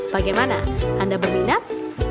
bagaimana anda berminat